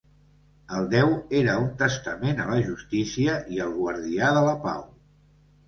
El déu era un testament a la justícia i el guardià de la pau.